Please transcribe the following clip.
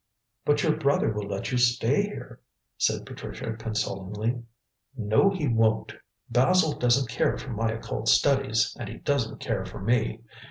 "But your brother will let you stay here," said Patricia consolingly. "No, he won't. Basil doesn't care for my occult studies, and he doesn't care for me.